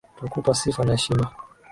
Twakupa sifa na heshima .